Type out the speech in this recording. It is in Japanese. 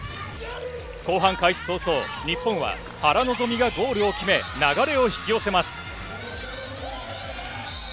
後半開始早々、日本は、原希美がゴールを決め、流れを引き寄せます。